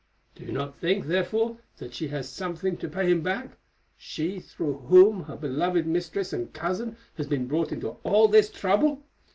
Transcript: Do you not think, therefore, that she has something to pay him back, she through whom her beloved mistress and cousin has been brought into all this trouble?